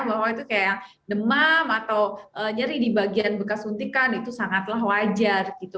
bahwa itu kayak demam atau nyeri di bagian bekas suntikan itu sangatlah wajar gitu